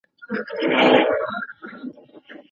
مزار شریف بې زیارته نه دی.